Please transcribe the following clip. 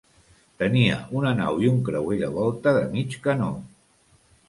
Tenia una nau i un creuer de volta de mig canó.